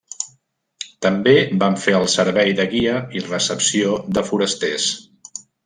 També van fer el servei de guia i recepció de forasters.